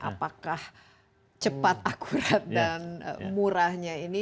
apakah cepat akurat dan murahnya ini